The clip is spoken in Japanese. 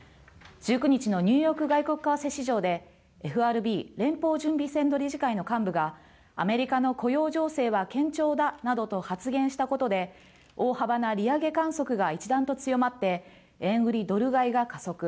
１９日のニューヨーク外国為替市場でＦＲＢ・連邦準備制度理事会の幹部がアメリカの雇用情勢は堅調だなどと発言したことで大幅な利上げ観測が一段と強まって円売りドル買いが加速。